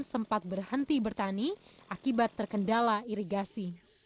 sempat berhenti bertani akibat terkendala irigasi